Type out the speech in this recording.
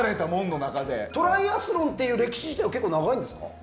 トライアスロンの歴史は結構長いんですか？